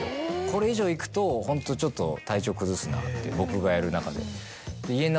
これ以上いくとホントちょっと体調崩すなって僕がやる中で。